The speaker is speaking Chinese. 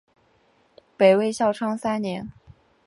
北魏孝昌三年。